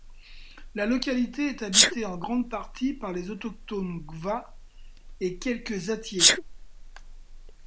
La localité est habitée en grande partie par les autochtones Gwa et quelque Attié.